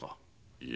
いえ。